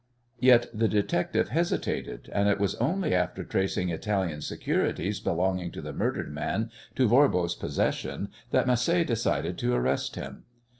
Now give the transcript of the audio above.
Yet the detective hesitated and it was only after tracing Italian securities belonging to the murdered man to Voirbo's possession that Macé decided to arrest him.